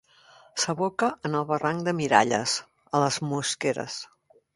S'aboca en el barranc de Miralles, a les Mosqueres.